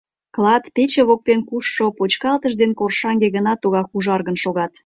Клат, пече воктен кушшо почкалтыш ден коршаҥге гына тугак ужаргын шогат.